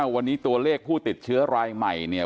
วันนี้ตัวเลขผู้ติดเชื้อรายใหม่เนี่ย